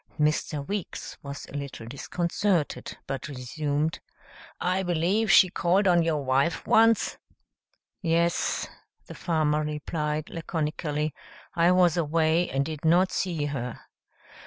Mr. Weeks was a little disconcerted but resumed, "I believe she called on your wife once?" "Yes," the farmer replied laconically. "I was away and did not see her."